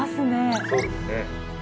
そうですね。